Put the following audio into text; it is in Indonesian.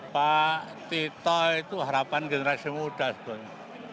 pak tito itu harapan generasi muda sebetulnya